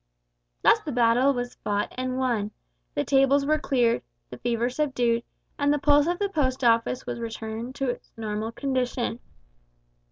Thus the battle was fought and won; the tables were cleared; the fever was subdued; and the pulse of the Post Office was reduced to its normal condition.